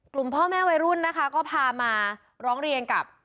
กลุ่มพ่อแม่วัยรุ่นนะคะก็พามาร้องเรียนกับ